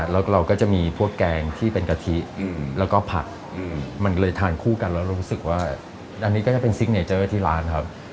แล้วเราก็จะมีพวกแกงที่เป็นกะทิแล้วก็ผักมันเลยทานคู่กันแล้วเรารู้สึกว่าอันนี้ก็จะเป็นซิกเนเจอร์ที่ร้านครับ